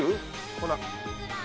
ほら！